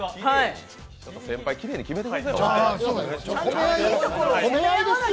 先輩きれいに決めてくださいよ。